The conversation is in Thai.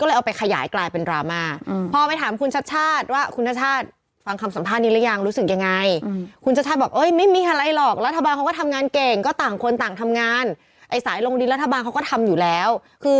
เราก็ต้องไปศึกษาแล้วก็ทำตามแบบท่านที่ทำไว้ดีแล้ว